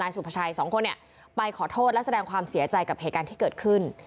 สุภาชัยสองคนไปขอโทษและแสดงความเสียใจกับเหตุการณ์ที่เกิดขึ้น